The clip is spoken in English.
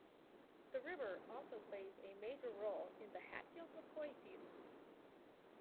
The river also plays a major role in the Hatfield-McCoy feud.